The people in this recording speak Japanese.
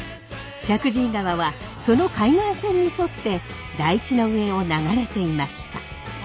石神井川はその海岸線に沿って台地の上を流れていました。